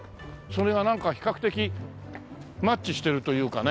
それがなんか比較的マッチしてるというかね。